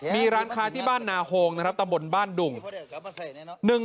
มีร้านค้าที่บ้านนาโฮงนะครับตำบลบ้านดุง